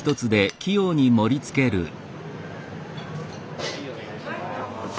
はいお願いします。